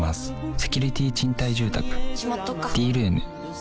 セキュリティ賃貸住宅「Ｄ−ｒｏｏｍ」しまっとくか。